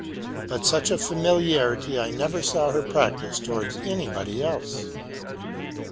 But such a familiarity I never saw her practise towards anybody else.